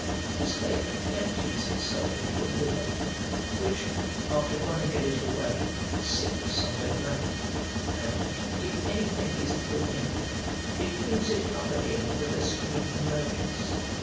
This lake empties itself into a river, which, after running a little way, sinks under ground, and, if anything is thrown in, it brings it up again where the stream emerges.